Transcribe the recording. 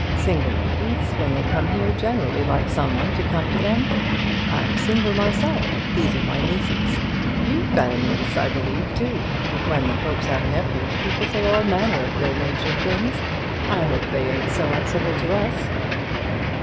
Single ladies, when they come here, generally like some one to come to them. I'm single myself, and these are my nieces. You've got a niece, I believe, too. When the Popes have nephews, people say all manner of ill natured things. I hope they ain't so uncivil to us."